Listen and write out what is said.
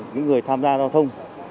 những người tham gia đoan thông